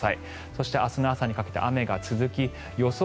そして明日の朝にかけて雨が続き予想